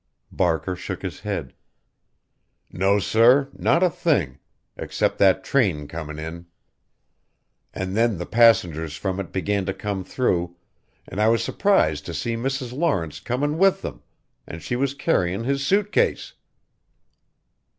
Barker shook his head. "No sir not a thing except that train comin' in. And then the passengers from it began to come through, and I was surprised to see Mrs. Lawrence comin' with them, an' she was carryin' his suit case."